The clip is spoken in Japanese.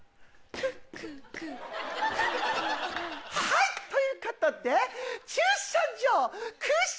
はいということで。